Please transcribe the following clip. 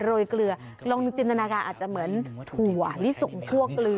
โรยเกลือลองนึกจึงนะคะอาจจะเหมือนถั่วลิสุงทั่วเกลือ